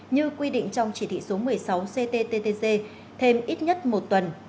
như quy định trong chỉ thị số một mươi sáu cttg thêm ít nhất một tuần